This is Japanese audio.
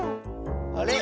あれ？